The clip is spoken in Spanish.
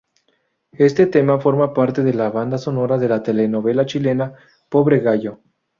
Este tema forma parte de la banda sonora de la telenovela chilena "Pobre gallo".